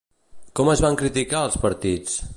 Com es van criticar, els partits?